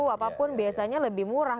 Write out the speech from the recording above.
apapun biasanya lebih murah